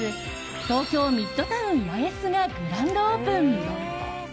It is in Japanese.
東京ミッドタウン八重洲がグランドオープン！